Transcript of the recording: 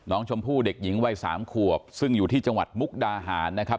น้องชมพู่เด็กหญิงวัยสามขวบซึ่งอยู่ที่จังหวัดมุกดาหารนะครับ